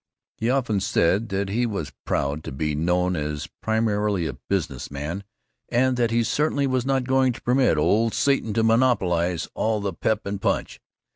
He often said that he was "proud to be known as primarily a business man" and that he certainly was not going to "permit the old Satan to monopolize all the pep and punch."